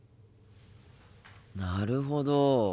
なるほど。